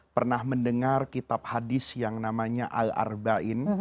pernah mendengar kitab hadis yang namanya al arba'in